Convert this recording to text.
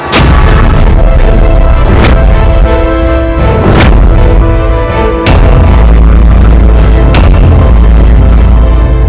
sepertinya akan lebih menarik